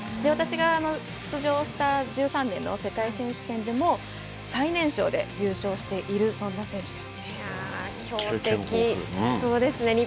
私が出場した１３年の世界選手権でも最年少で優勝しているそんな選手ですね。